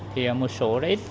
thì một số rất ít